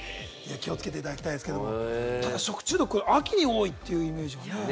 気をつけていただきたいですけれども、ただ食中毒、秋に多いというイメージが。